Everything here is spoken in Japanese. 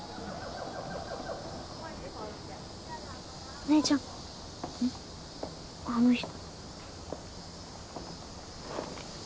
お姉ちゃんあの人。